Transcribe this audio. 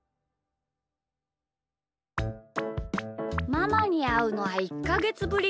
ママにあうのはいっかげつぶりかあ。